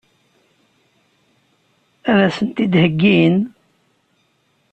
Ad sent-tent-id-heggin?